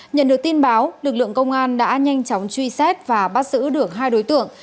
nhận được tin báo lực lượng công an đã nhanh chóng truy xét và bắt giữ được hai đối tượng